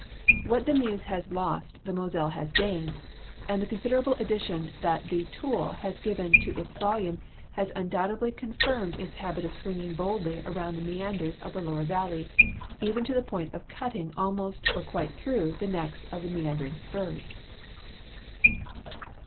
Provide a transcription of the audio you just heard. \\diat the Meuse has lost the Moselle has gained, and the con siderable addition that the Toul has given to its volume has undoubtedly confirmed its habit of swinging boldlv around the meanders of its lower valle}", even to the point of cutting almost or quite through the necks of its meander spurs.